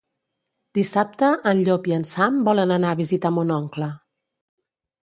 Dissabte en Llop i en Sam volen anar a visitar mon oncle.